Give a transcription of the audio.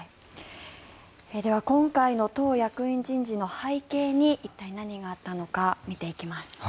では今回の党役員人事の背景に一体、何があったのか見ていきます。